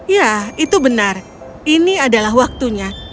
ya itu benar ini adalah waktunya